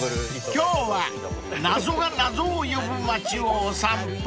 ［今日は謎が謎を呼ぶ町をお散歩］